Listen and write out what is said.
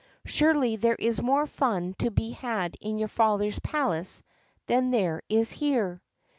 Surely there is more fun to be had in your father's palace than there is here."